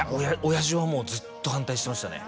親父はもうずっと反対してましたね